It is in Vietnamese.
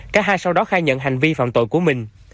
cả hai sau đó khai nhận hành vi phạm tội của mình